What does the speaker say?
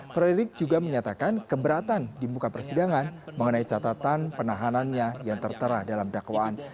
frederick juga menyatakan keberatan di muka persidangan mengenai catatan penahanannya yang tertera dalam dakwaan